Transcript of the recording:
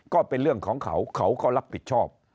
ก็เป็นเรื่องของเขาเขาก็รับผิดชอบ